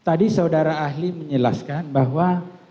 tadi saudara ahli menjelaskan bahwa